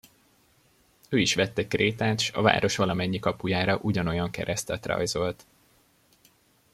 Ő is vett egy krétát, s a város valamennyi kapujára ugyanolyan keresztet rajzolt.